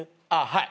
はい。